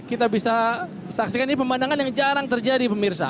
kita bisa saksikan ini pemandangan yang jarang terjadi pemirsa